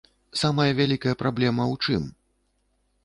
Самая вялікая праблема ў чым?